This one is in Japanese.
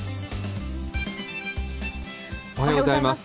おはようございます。